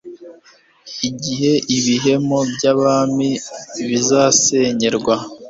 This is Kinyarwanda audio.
Igihe ibihome byabami bizasenyerwa